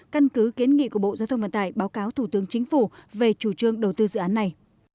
căn cứ kiến nghị của bộ giao thông vận tải báo cáo thủ tướng chính phủ về chủ trương đầu tư dự án này